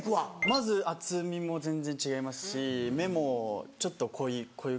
まず厚みも全然違いますし目もちょっと濃ゆく。